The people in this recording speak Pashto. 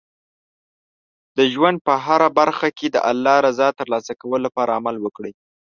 د ژوند په هره برخه کې د الله رضا ترلاسه کولو لپاره عمل وکړئ.